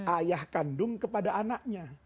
ayah kandung kepada anaknya